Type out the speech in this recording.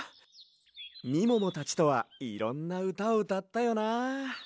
みももたちとはいろんなうたをうたったよな。